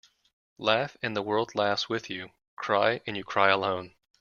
Laugh and the world laughs with you. Cry and you cry alone.